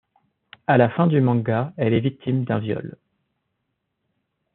A la fin du manga, elle est victime d'un viol.